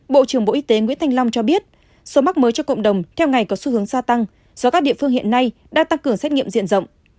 bộ trưởng bộ y tế nguyễn thanh long cho biết số mắc mới cho cộng đồng theo ngày có xu hướng gia tăng do các địa phương hiện nay đã tăng cường xét nghiệm diện rộng